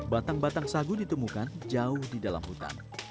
batang batang sagu ditemukan jauh di dalam hutan